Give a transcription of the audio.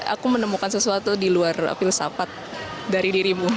aku menemukan sesuatu di luar filsafat dari dirimu